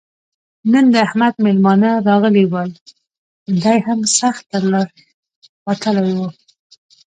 نن د احمد مېلمانه راغلي ول؛ دی هم سخت تر له وتلی وو.